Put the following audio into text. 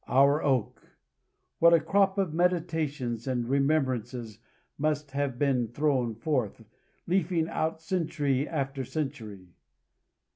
Our oak! what a crop of meditations and remembrances must he have thrown forth, leafing out century after century.